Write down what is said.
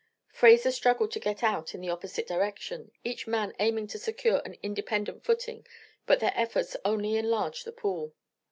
Fraser struggled to get out in the opposite direction, each man aiming to secure an independent footing, but their efforts only enlarged the pool.